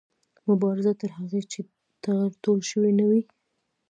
مبارزه تر هغې چې ټغر ټول شوی نه وي